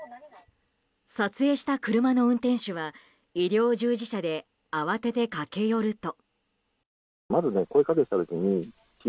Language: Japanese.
撮影した車の運転手は医療従事者で慌てて駆け寄ると。